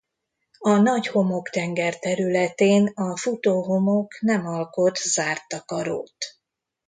A Nagy-homoktenger területén a futóhomok nem alkot zárt takarót.